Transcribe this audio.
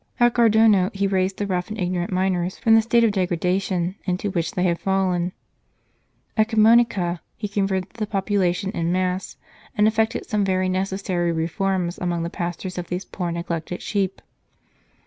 At Gardono he raised the rough and ignorant miners from the state of degradation into which they had fallen. At Camonica he converted the population en masse, and effected some very neces sary reforms among the pastors of these poor neglected sheep.